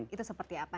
itu seperti apa